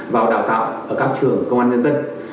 vào đào tạo ở các trường công an nhân dân